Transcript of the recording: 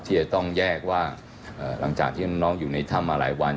ที่จะต้องแยกว่าหลังจากที่น้องอยู่ในถ้ำมาหลายวัน